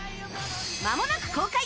まもなく公開！